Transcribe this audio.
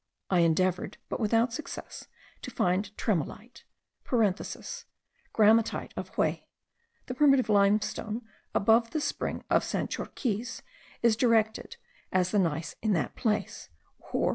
I endeavoured, but without success, to find tremolite (Grammatite of Hauy. The primitive limestone above the spring of Sanchorquiz, is directed, as the gneiss in that place, hor.